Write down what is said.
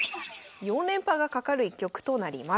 ４連覇がかかる一局となります。